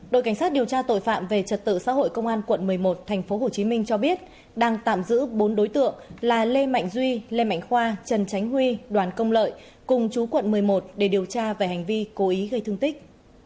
đội cảnh sát điều tra tội phạm về trật tự xã hội công an quận một mươi một tp hcm cho biết đang tạm giữ bốn đối tượng là lê mạnh duy lê mạnh khoa trần tránh huy đoàn công lợi cùng chú quận một mươi một để điều tra về hành vi cố ý gây thương tích